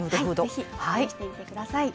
ぜひ試してください。